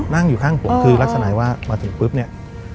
นั่งอยู่ข้างผมคือลักษณะว่ามาถึงปุ๊บเนี่ย